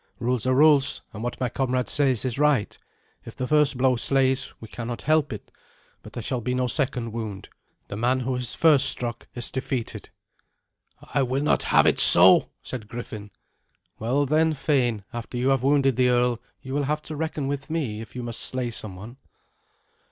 "Rules are rules, and what my comrade says is right. If the first blow slays, we cannot help it, but there shall be no second wound. The man who is first struck is defeated." "I will not have it so," said Griffin. "Well, then, thane, after you have wounded the earl you will have to reckon with me, if you must slay someone."